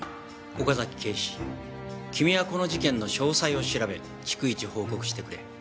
岡崎警視君はこの事件の詳細を調べ逐一報告してくれ。